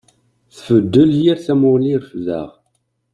Tbeddel yir tamuɣli i refdeɣ.